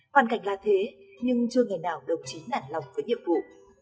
hoàn cảnh là thế nhưng chưa ngày nào đồng chí nản lòng với nhiệm vụ